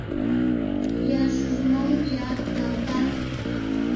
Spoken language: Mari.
Йӱашыже мом йӱат, калтак?